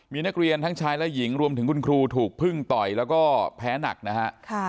มีนักเรียนทั้งชายและหญิงรวมถึงคุณครูถูกพึ่งต่อยแล้วก็แพ้หนักนะฮะ